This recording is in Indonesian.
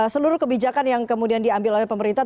seluruh kebijakan yang kemudian diambil oleh pemerintah